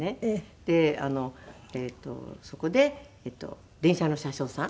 でそこで電車の車掌さん。